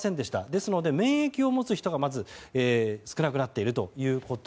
ですので免疫を持つ人が少なくなっているということ。